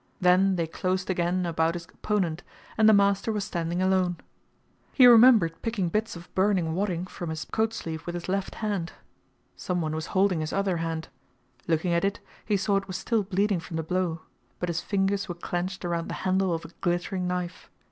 Then they closed again about his opponent, and the master was standing alone. He remembered picking bits of burning wadding from his coat sleeve with his left hand. Someone was holding his other hand. Looking at it, he saw it was still bleeding from the blow, but his fingers were clenched around the handle of a glittering knife.